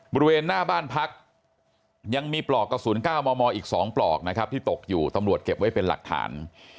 บริเวณหน้าบ้านพักยังมีปลอกกระสุน๙มมอีก๒ปลอกนะครับที่ตกอยู่ตำรวจเก็บไว้เป็นหลักฐาน